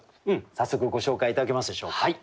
早速ご紹介頂けますでしょうか。